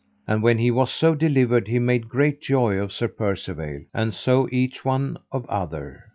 And when he was so delivered he made great joy of Sir Percivale, and so each one of other.